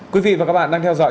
quý vị và các bạn đang theo dõi